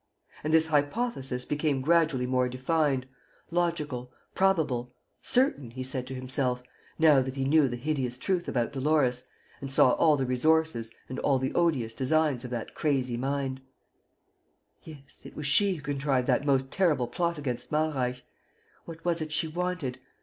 And this hypothesis became gradually more defined, logical, probable, certain, he said to himself, now that he knew the hideous truth about Dolores and saw all the resources and all the odious designs of that crazy mind: "Yes, it was she who contrived that most terrible plot against Malreich. What was it she wanted?